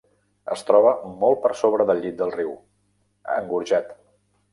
Es troba molt per sobre del llit del riu, engorjat.